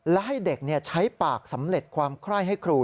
และให้เด็กใช้ปากสำเร็จความไคร้ให้ครู